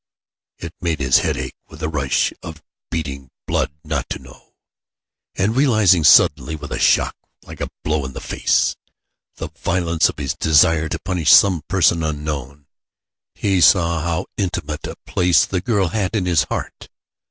It made his head ache with a rush of beating blood not to know. And realizing suddenly, with a shock like a blow in the face, the violence of his desire to punish some person unknown, he saw how intimate a place the girl had in his heart.